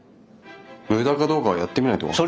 無駄かどうかはやってみないと分から。